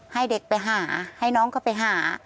ให้เด็กไปหาให้น้องเขาไปหา